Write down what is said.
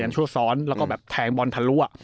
ชั่วซ้อนแล้วก็แบบแทงบอลทะลุ